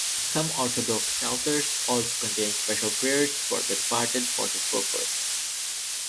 Some Orthodox psalters also contain special prayers for the departed for this purpose.